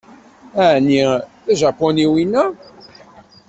Ɛni d ajapuni wina?